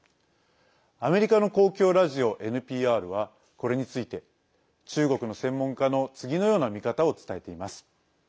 アメリカの公共ラジオＮＰＲはこれについて中国の専門家の次のような見方を伝えています。